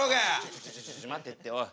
ちょちょちょちょ待てっておい。